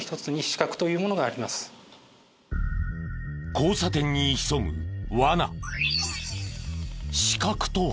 交差点に潜むワナ。